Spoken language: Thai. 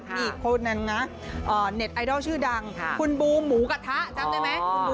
มีอีกคนนะเน็ตไอดอลชื่อดังคุณวูหงูกะทะจ้าไหม